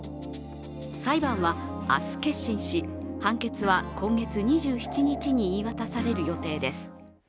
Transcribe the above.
裁判は明日、結審し判決は今月２７日に言い渡される予定です。